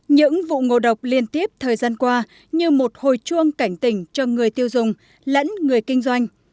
những vụ ngộ độc liên tiếp thời gian qua như một hồi chuông cảnh tỉnh cho người tiêu dùng lẫn người kinh doanh